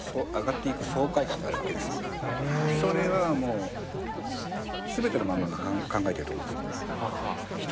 それはもう全ての漫画が考えていると思います。